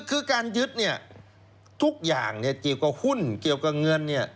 คือการยึดเนี่ยทุกอย่างเกี่ยวกับหุ้นเกี่ยวกับเงินเนี่ย